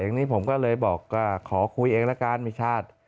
อย่างนี้ผมก็เลยบอกก็ขอคุยเองละกันมีชาติ